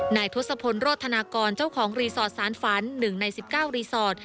ทศพลโรธนากรเจ้าของรีสอร์ทสารฝัน๑ใน๑๙รีสอร์ท